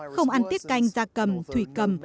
không ăn tiết canh da cầm thủy cầm